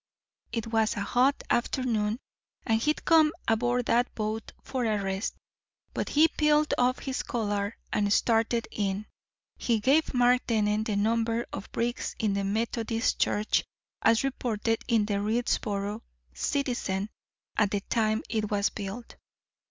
It was a hot afternoon, and he'd come aboard that boat for a rest, but he peeled off his collar and started in. He gave Mark Dennen the number of bricks in the Methodist Church, as reported in the Readsboro Citizen at the time it was built.